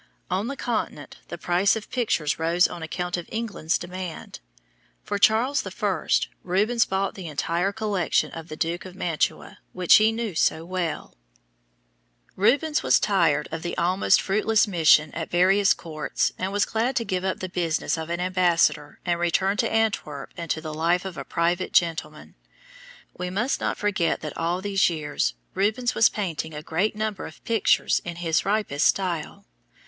On the Continent the price of pictures rose on account of England's demand. For Charles I., Rubens bought the entire collection of the Duke of Mantua which he knew so well. [Illustration: MADONNA AND CHILD WITH ST. FRANCIS Rubens] Rubens was tired of the almost fruitless mission at various courts and was glad to give up the business of an ambassador and return to Antwerp and to the life of a private gentleman. We must not forget that all these years Rubens was painting a great number of pictures in his ripest style.